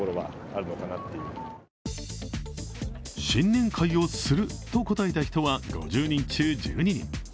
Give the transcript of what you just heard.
新年会をすると答えた人は５０人中１２人。